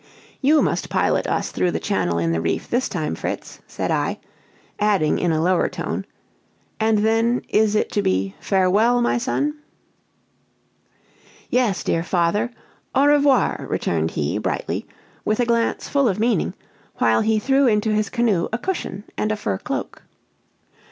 "You must pilot us through the channel in the reef this time, Fritz," said I; adding, in a lower tone, "and then is it to be 'farewell,' my son!" "Yes, dear father Au revoir!" returned he, brightly, with a glance full of meaning, while he threw into his canoe a cushion and a fur cloak.